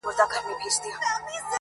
پټ په زړه کي پر اقرار یو ګوندي راسي -